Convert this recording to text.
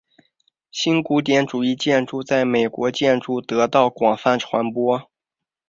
新古典主义建筑在美国建筑得到广泛传播。